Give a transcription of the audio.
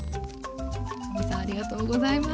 真海さんありがとうございます。